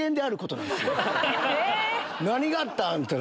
何があったん？